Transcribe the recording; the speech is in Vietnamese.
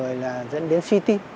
rồi là dẫn đến suy tin